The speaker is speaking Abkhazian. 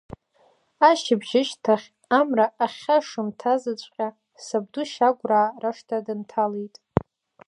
Ашьыбжьышьҭахь амра ахьашымҭазыҵәҟьа сабду Шьагәраа рашҭа дынҭалеит.